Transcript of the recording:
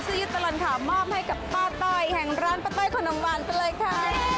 สามารถให้กับป้าต้อยแห่งร้านปากเป้าะหตานวัลไปเลยค่ะ